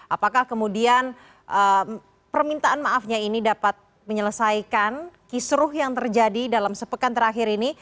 apakah kemudian permintaan maafnya ini dapat menyelesaikan kisruh yang terjadi dalam sepekan terakhir ini